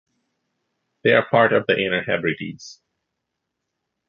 They are part of the Inner Hebrides.